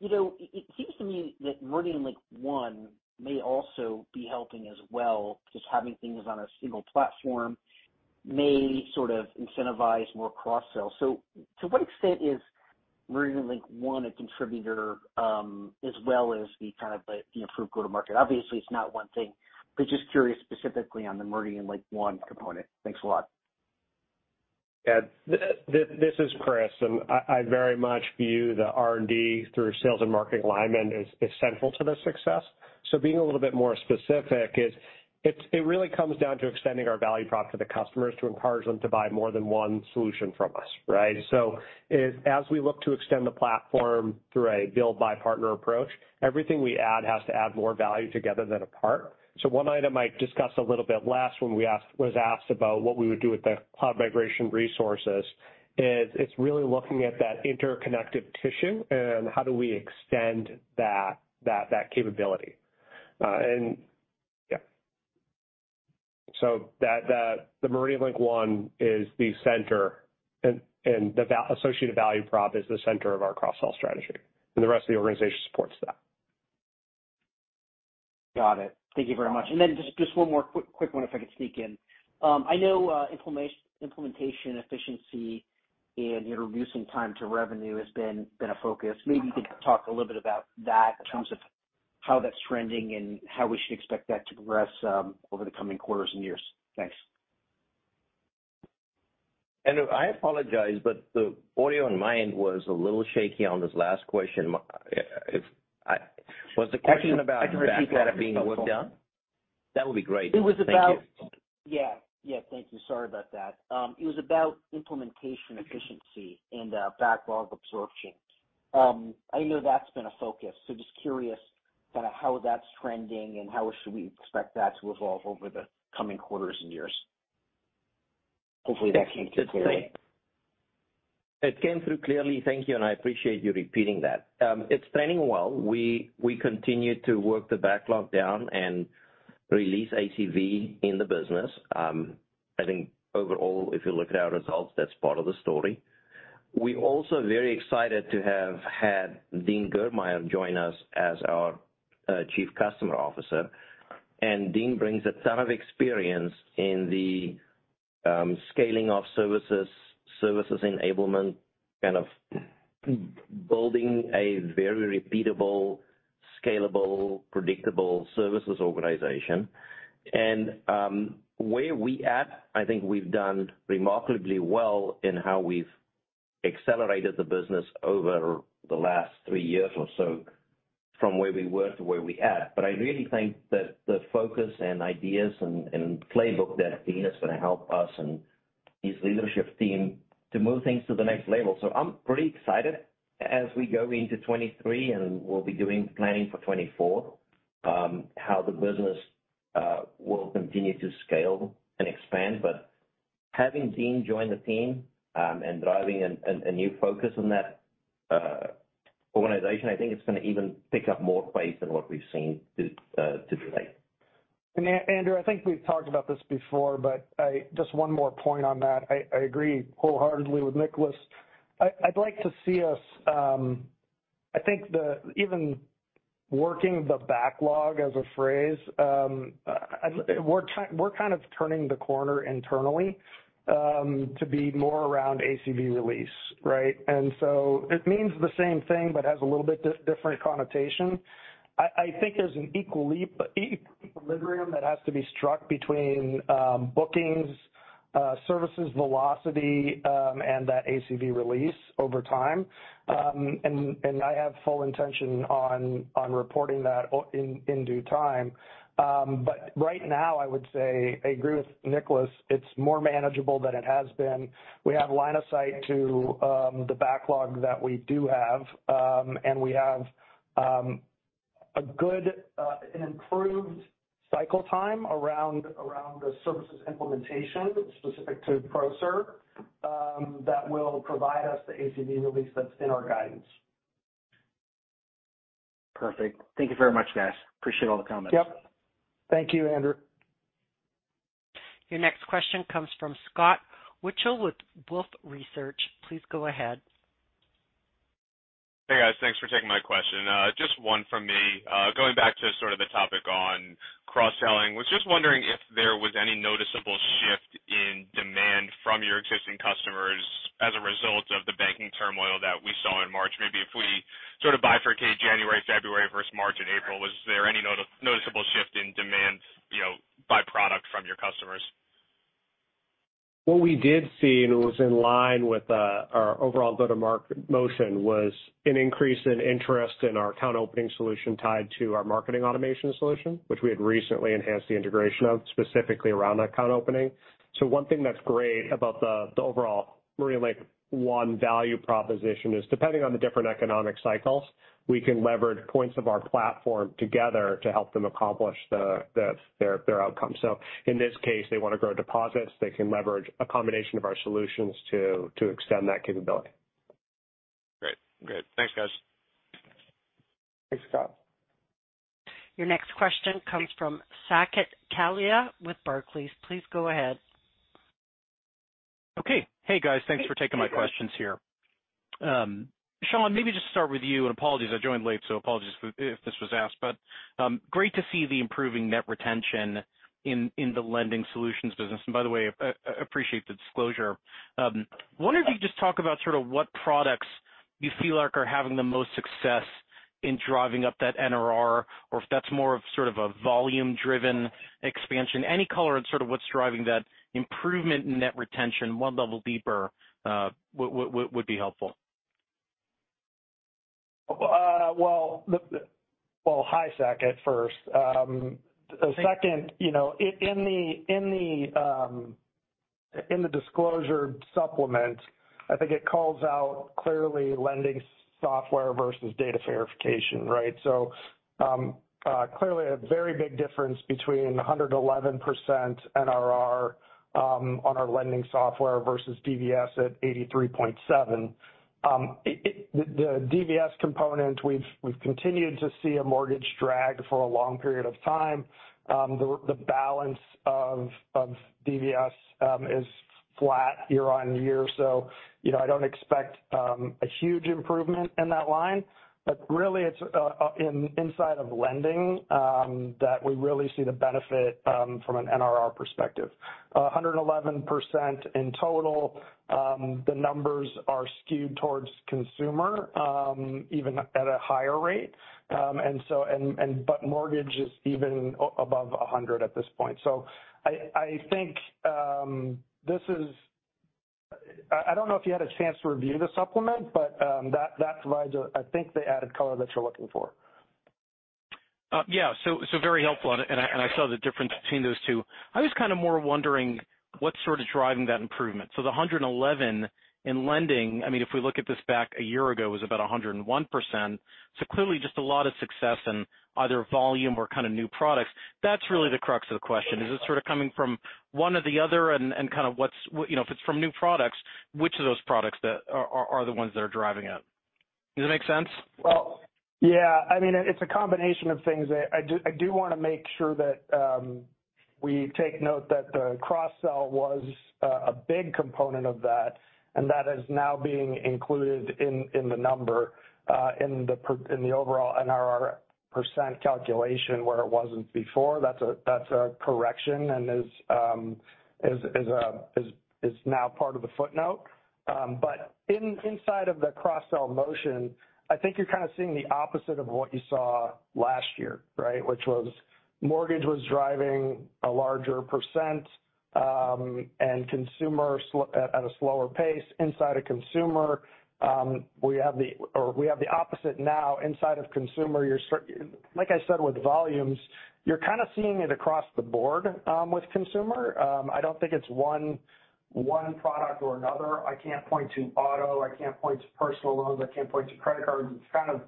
You know, it seems to me that MeridianLink One may also be helping as well, just having things on a single platform may sort of incentivize more cross-sell. To what extent is MeridianLink One a contributor, as well as the kind of the improved go-to-market? Obviously, it's not one thing, but just curious specifically on the MeridianLink One component. Thanks a lot. Yeah. This is Chris, and I very much view the R&D through sales and marketing alignment is central to the success. Being a little bit more specific, it really comes down to extending our value prop to the customers to encourage them to buy more than one solution from us, right? As we look to extend the platform through a build/buy partner approach, everything we add has to add more value together than apart. One item I discussed a little bit less when we was asked about what we would do with the cloud migration resources. Is it's really looking at that interconnective tissue and how do we extend that capability? yeah. MeridianLink One is the center and associated value prop is the center of our cross-sell strategy, and the rest of the organization supports that. Got it. Thank you very much. Then just one more quick one if I could sneak in. I know, implementation efficiency and, you know, reducing time to revenue has been a focus. Maybe you could talk a little bit about that in terms of how that's trending and how we should expect that to progress over the coming quarters and years. Thanks. Andrew, I apologize, but the audio on my end was a little shaky on this last question. Was the question about- I can repeat that if that's helpful. the backlog being worked down? That would be great. Thank you. Yeah, thank you. Sorry about that. It was about implementation efficiency and backlog absorption. I know that's been a focus, so just curious kinda how that's trending and how should we expect that to evolve over the coming quarters and years. Hopefully that came through clearly. It came through clearly. Thank you, and I appreciate you repeating that. It's trending well. We continue to work the backlog down and release ACV in the business. I think overall, if you look at our results, that's part of the story. We're also very excited to have had Dean Germeyer join us as our Chief Customer Officer. Dean brings a ton of experience in the scaling of services enablement, kind of building a very repeatable, scalable, predictable services organization. Where we're at, I think we've done remarkably well in how we've accelerated the business over the last three years or so from where we were to where we at. I really think that the focus and ideas and playbook that Dean is gonna help us and his leadership team to move things to the next level. I'm pretty excited as we go into 23, and we'll be doing planning for 24, how the business will continue to scale and expand. Having Dean join the team, and driving a new focus on that organization, I think it's gonna even pick up more pace than what we've seen to date. Andrew, I think we've talked about this before, but I just one more point on that. I agree wholeheartedly with Nicholas. I'd like to see us, I think the even working the backlog as a phrase, we're kind of turning the corner internally, to be more around ACV release, right? It means the same thing but has a little bit different connotation. I think there's an equilibrium that has to be struck between bookings, services velocity, and that ACV release over time. I have full intention on reporting that in due time. Right now, I would say I agree with Nicholas. It's more manageable than it has been. We have line of sight to the backlog that we do have, and we have a good, an improved cycle time around the services implementation specific to ProServ that will provide us the ACV release that's in our guidance. Perfect. Thank you very much, guys. Appreciate all the comments. Yep. Thank you, Andrew. Your next question comes from Scott Wurtzel with Wolfe Research. Please go ahead. Hey, guys. Thanks for taking my question. Just one from me. Going back to sort of the topic on cross-selling, was just wondering if there was any noticeable shift in demand from your existing customers as a result of the banking turmoil that we saw in March. Maybe if we sort of bifurcate January, February versus March and April, was there any noticeable shift in demand, you know, by product from your customers? What we did see, and it was in line with our overall go-to-market motion, was an increase in interest in our account opening solution tied to our marketing automation solution, which we had recently enhanced the integration of specifically around that account opening. One thing that's great about the overall MeridianLink One value proposition is depending on the different economic cycles, we can leverage points of our platform together to help them accomplish their outcome. In this case, they want to grow deposits, they can leverage a combination of our solutions to extend that capability. Great. Great. Thanks, guys. Thanks, Scott. Your next question comes from Saket Kalia with Barclays. Please go ahead. Hey, guys. Thanks for taking my questions here. Sean, maybe just start with you, and apologies I joined late, so apologies if this was asked. Great to see the improving net retention in the lending solutions business. By the way, appreciate the disclosure. Wonder if you could just talk about sort of what products you feel like are having the most success in driving up that NRR, or if that's more of sort of a volume-driven expansion. Any color on sort of what's driving that improvement in net retention one level deeper would be helpful. Well, hi, Saket, first. Second, you know, in the. In the disclosure supplement, I think it calls out clearly lending software versus data verification, right? Clearly a very big difference between 111% NRR on our lending software versus DVS at 83.7%. The DVS component, we've continued to see a mortgage drag for a long period of time. The balance of DVS is flat year-over-year. You know, I don't expect a huge improvement in that line. Really it's inside of lending that we really see the benefit from an NRR perspective. 111% in total, the numbers are skewed towards consumer even at a higher rate. Mortgage is even above 100% at this point. I think, I don't know if you had a chance to review the supplement, but that provides I think the added color that you're looking for. Yeah. Very helpful. I saw the difference between those two. I was kind of more wondering what's sort of driving that improvement? The 111 in lending, I mean, if we look at this back a year ago, was about 101%. Clearly just a lot of success in either volume or kind of new products. That's really the crux of the question. Is this sort of coming from one or the other and kind of You know, if it's from new products, which of those products that are the ones that are driving it? Does that make sense? Yeah. I mean, it's a combination of things. I do wanna make sure that we take note that the cross sell was a big component of that, and that is now being included in the number in the overall NRR % calculation where it wasn't before. That's a correction and is now part of the footnote. Inside of the cross sell motion, I think you're kind of seeing the opposite of what you saw last year, right? Which was mortgage was driving a larger percentage, and consumer at a slower pace. Inside a consumer, we have the opposite now. Inside of consumer, Like I said, with volumes, you're kind of seeing it across the board with consumer. I don't think it's one product or another. I can't point to auto, I can't point to personal loans, I can't point to credit cards. It's kind of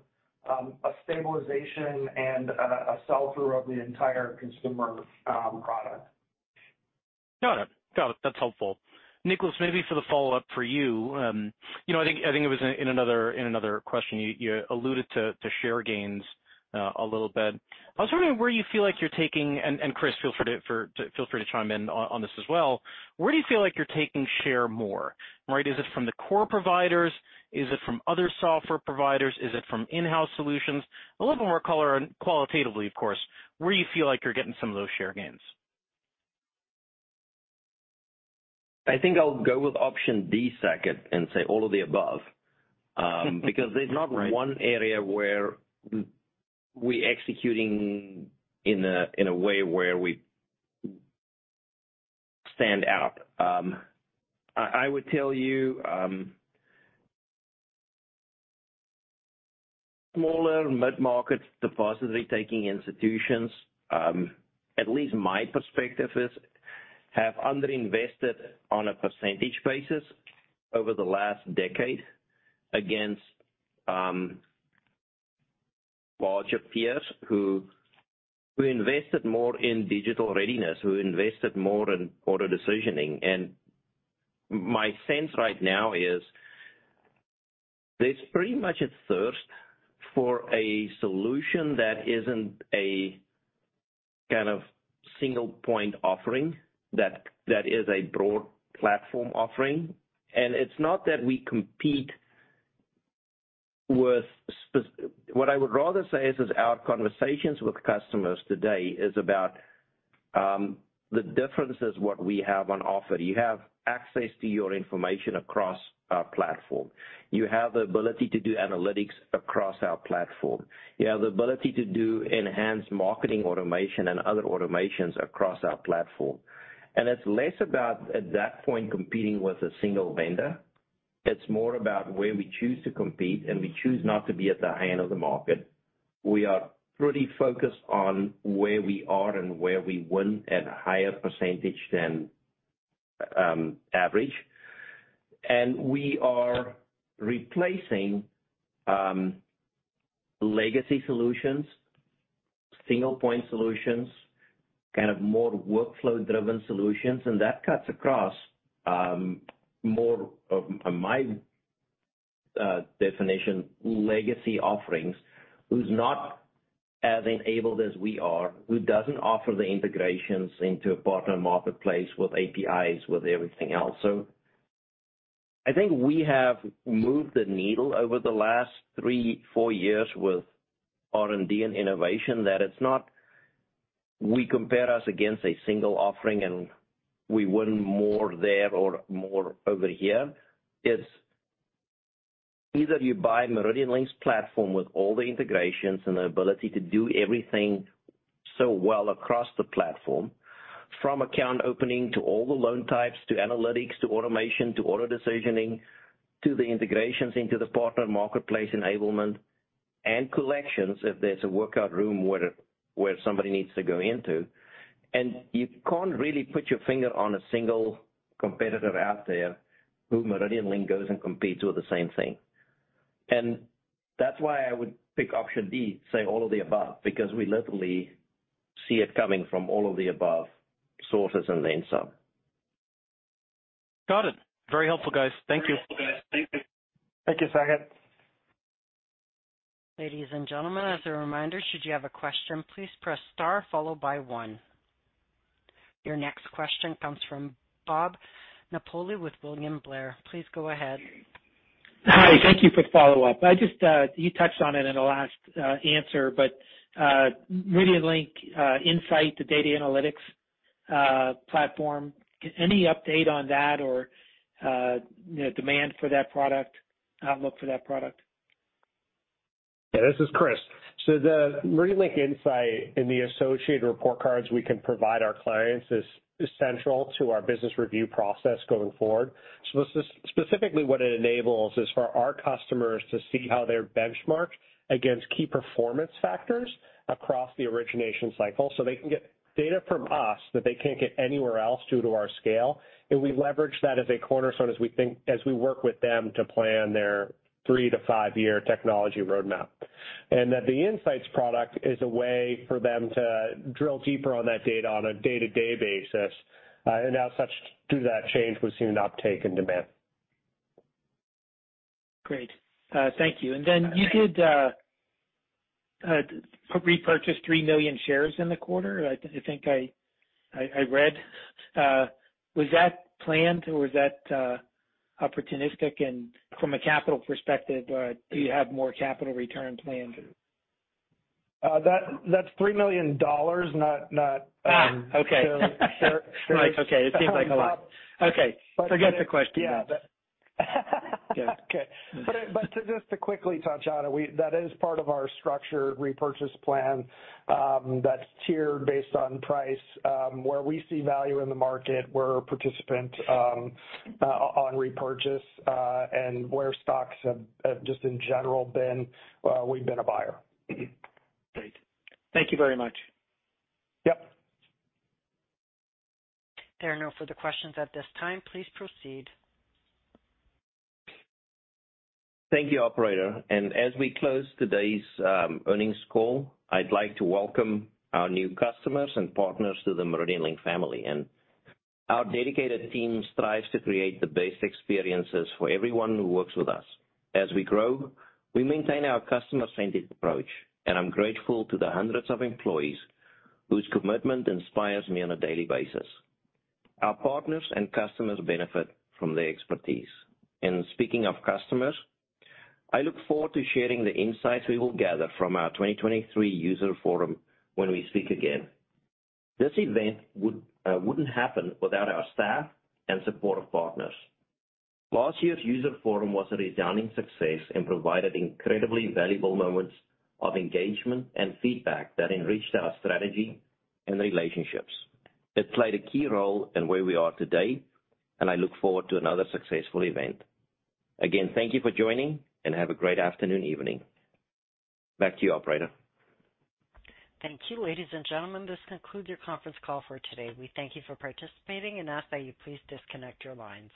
a stabilization and a sell-through of the entire consumer product. Got it. Got it. That's helpful. Nicolaas, maybe for the follow-up for you. You know, I think it was in another question you alluded to share gains, a little bit. I was wondering where you feel like you're taking. Chris, feel free to chime in on this as well. Where do you feel like you're taking share more, right? Is it from the core providers? Is it from other software providers? Is it from in-house solutions? A little bit more color and qualitatively, of course, where do you feel like you're getting some of those share gains? I think I'll go with option D, Zach, and say all of the above. Right. Because there's not one area where we executing in a way where we stand out. I would tell you, smaller mid-market deposit retaking institutions, at least my perspective is, have underinvested on a percentage basis over the last decade against larger peers who invested more in digital readiness, who invested more in auto decisioning. My sense right now is there's pretty much a thirst for a solution that isn't a kind of single point offering, that is a broad platform offering. It's not that we compete with. What I would rather say is our conversations with customers today is about the differences what we have on offer. You have access to your information across our platform. You have the ability to do analytics across our platform. You have the ability to do enhanced marketing automation and other automations across our platform. It's less about, at that point, competing with a single vendor. It's more about where we choose to compete, and we choose not to be at the high end of the market. We are pretty focused on where we are and where we win at a higher percentage than average. We are replacing legacy solutions, single point solutions, kind of more workflow-driven solutions. That cuts across more of, on my definition, legacy offerings, who's not as enabled as we are, who doesn't offer the integrations into a partner marketplace with APIs, with everything else. I think we have moved the needle over the last 3, 4 years with R&D and innovation, that it's not we compare us against a single offering and we win more there or more over here. It's either you buy MeridianLink's platform with all the integrations and the ability to do everything so well across the platform, from account opening, to all the loan types, to analytics, to automation, to auto decisioning, to the integrations into the partner marketplace enablement. Collections, if there's a workout room where somebody needs to go into. You can't really put your finger on a single competitor out there who MeridianLink goes and competes with the same thing. That's why I would pick option D, say all of the above, because we literally see it coming from all of the above sources and then some. Got it. Very helpful, guys. Thank you. Thank you, Sket. Ladies and gentlemen, as a reminder, should you have a question, please press star followed by 1. Your next question comes from Bob Napoli with William Blair. Please go ahead. Hi. Thank you for the follow-up. I just ,You touched on it in the last answer, but MeridianLink Insight, the data analytics platform, any update on that or demand for that product, outlook for that product? This is Chris. The MeridianLink Insight and the associated report cards we can provide our clients is central to our business review process going forward. Specifically what it enables is for our customers to see how they're benchmarked against key performance factors across the origination cycle, so they can get data from us that they can't get anywhere else due to our scale. We leverage that as a cornerstone as we work with them to plan their 3-5year technology roadmap. That the Insight product is a way for them to drill deeper on that data on a day-to-day basis. As such, through that change, we're seeing uptake and demand. Great. Thank you. Then you did repurchase 3 million shares in the quarter, I think I read. Was that planned or was that opportunistic? From a capital perspective, do you have more capital return plans? That's $3 million, not. Okay. Shares. Right. Okay. It seems like a lot. Okay. Forget the question. Yeah. Okay. Just to quickly touch on it, that is part of our structured repurchase plan, that's tiered based on price, where we see value in the market, we're a participant, on repurchase, and where stocks have just in general been, we've been a buyer. Great. Thank you very much. Yep. There are no further questions at this time. Please proceed. Thank you, operator. As we close today's earnings call, I'd like to welcome our new customers and partners to the MeridianLink family. Our dedicated team strives to create the best experiences for everyone who works with us. As we grow, we maintain our customer-centric approach, and I'm grateful to the hundreds of employees whose commitment inspires me on a daily basis. Our partners and customers benefit from their expertise. Speaking of customers, I look forward to sharing the insights we will gather from our 2023 user forum when we speak again. This event wouldn't happen without our staff and supportive partners. Last year's user forum was a resounding success and provided incredibly valuable moments of engagement and feedback that enriched our strategy and relationships. It played a key role in where we are today, and I look forward to another successful event. Again, thank you for joining, and have a great afternoon, evening. Back to you, operator. Thank you, ladies and gentlemen. This concludes your conference call for today. We thank you for participating and ask that you please disconnect your lines.